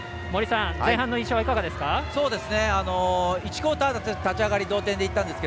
前半の印象はいかがですか？